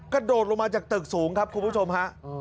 กระโดดลงมาจากตึกสูงครับคุณผู้ชมฮะ